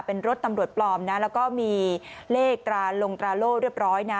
เป็นรถตำรวจปลอมนะแล้วก็มีเลขตราลงตราโล่เรียบร้อยนะ